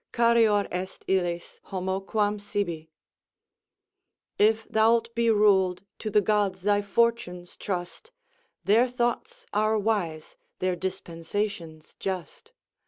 Carior est illis homo quam sibi; "If thou'lt be rul'd, to th' gods thy fortunes trust, Their thoughts are wise, their dispensations just.